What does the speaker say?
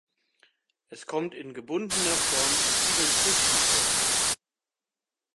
Es kommt in gebundener Form in vielen Früchten vor.